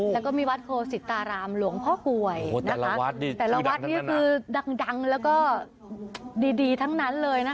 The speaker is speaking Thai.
แล้วก็มีวัดโคสิตรารามหลวงพ่อก่วยนะคะ